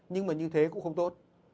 nhưng mà như thế cũng không tốt